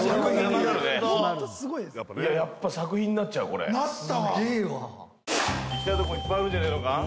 これね行きたいとこいっぱいあるんじゃねえのか？